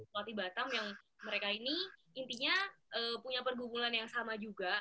wati batam yang mereka ini intinya punya perguguran yang sama juga